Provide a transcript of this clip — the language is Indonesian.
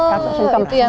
oh itu yang tadi ya